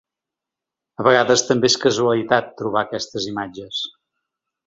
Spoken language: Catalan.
A vegades també és casualitat trobar aquestes imatges.